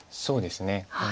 そうですね